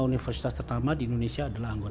universitas pertama di indonesia adalah anggota